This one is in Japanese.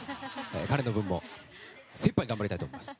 彼の分も精いっぱい頑張ろうと思います。